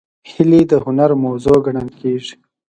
هیلۍ د هنر موضوع ګڼل کېږي